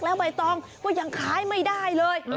แล้วใบตองก็ยังขายไม่ได้เลย